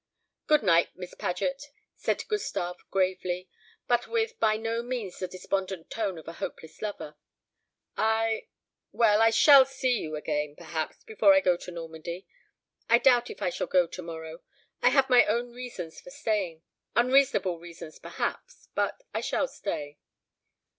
"Good night, Miss Paget," said Gustave gravely, but with by no means the despondent tone of a hopeless lover; "I well, I shall see you again, perhaps, before I go to Normandy. I doubt if I shall go to morrow. I have my own reasons for staying unreasonable reasons, perhaps, but I shall stay."